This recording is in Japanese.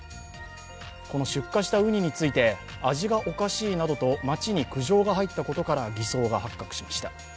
この出荷したうにについて、味がおかしいなどと町に苦情が入ったことから偽装が発覚しました。